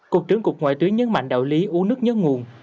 cục trưởng cục ngoại tuyến nhấn mạnh đạo lý uống nước nhớ nguồn